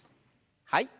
はい。